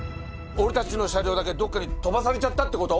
俺たちの車両だけどっかに飛ばされちゃったってこと？